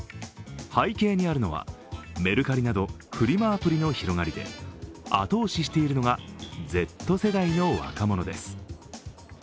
背景にあるのは、メルカリなどフリマアプリの広がりで後押ししているのがＺ世代の若者です。